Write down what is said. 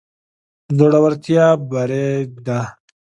زړورتيا بري ده.